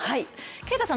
啓太さん